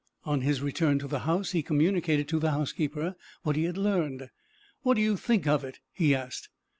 On his return to the house he communicated to the housekeeper what he had learned. "What do you think of it?" he asked.